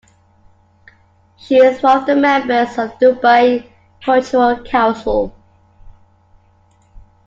She is one of the members of the Dubai Cultural Council.